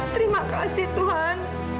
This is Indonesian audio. terima kasih tuhan